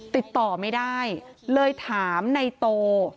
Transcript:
ติดต่อไม่ได้เลยถามในโต